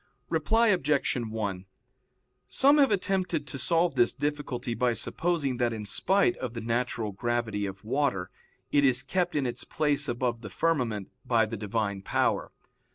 Reply Obj. 1: Some have attempted to solve this difficulty by supposing that in spite of the natural gravity of water, it is kept in its place above the firmament by the Divine power.